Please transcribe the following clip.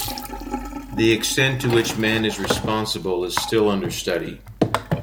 The extent to which man is responsible is still under study.